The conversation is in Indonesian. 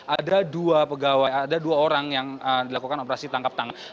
ada dua pegawai ada dua orang yang dilakukan operasi tangkap tangan